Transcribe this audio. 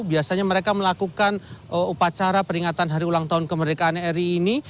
biasanya mereka melakukan upacara peringatan hari ulang tahun kemerdekaan ri ini